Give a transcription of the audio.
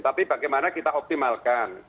tapi bagaimana kita optimalkan